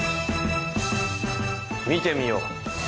見てみよう。